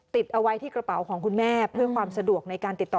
ติดเอาไว้ที่กระเป๋าของคุณแม่เพื่อความสะดวกในการติดต่อ